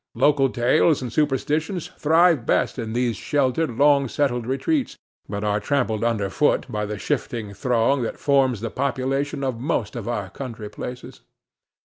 Local tales and superstitions thrive best in these sheltered, long settled retreats; but are trampled under foot by the shifting throng that forms the population of most of our country places.